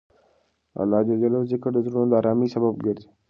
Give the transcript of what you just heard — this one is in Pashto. د الله ذکر د زړونو د ارامۍ سبب ګرځي.